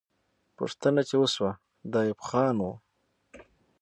پوښتنه چې وسوه، د ایوب خان وه.